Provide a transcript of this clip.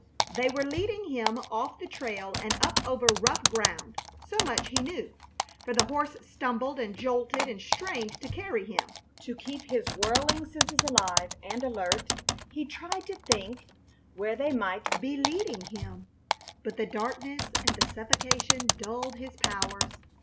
They were leading him off the trail and up over rough ground; so much he knew, for the horse stumbled and jolted and strained to carry him. To keep his whirling senses alive and alert he tried to think where they might be leading him; but the darkness and the suffocation dulled his powers.